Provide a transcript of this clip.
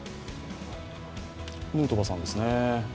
ヌートバーさんですね。